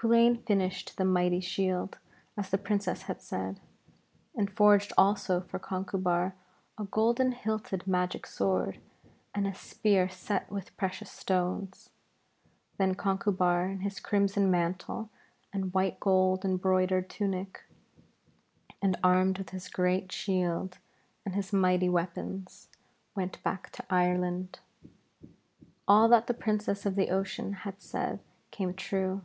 Culain finished the mighty shield as the Princess had said, and forged also for Conchubar a golden hilted magic sword, and a spear set with precious stones. Then Conchubar, in his crimson mantle and white gold embroidered tunic, and armed with his great shield and his mighty weapons, went back to Ireland. All that the Princess of the Ocean had said came true.